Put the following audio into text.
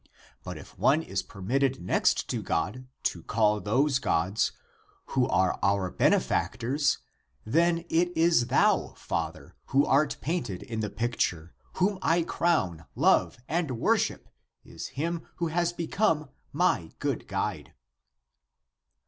But if one is permitted next to God to call those gods, who are our benefactors, then it is thou, father, who art painted in the picture, whom I crown, love, and worship is him who has become my good guide."